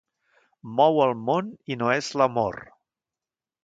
Mou el món i no és l'amor.